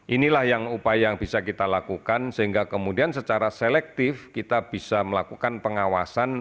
inilah yang upaya yang bisa kita lakukan sehingga kemudian secara selektif kita bisa melakukan pengawasan